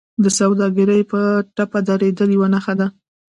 د سوداګرۍ په ټپه درېدل یوه نښه ده